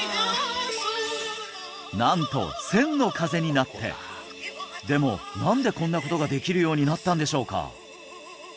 なんとでも何でこんなことができるようになったんでしょうか？